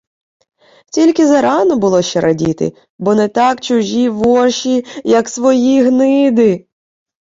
Тільки зарано було ще радіти, бо не так чужі воші, як свої гниди.